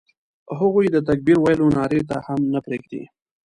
هغوی د تکبیر ویلو نارې ته هم نه پرېږدي.